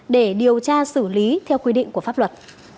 để điều tra xử lý theo quy định của pháp luật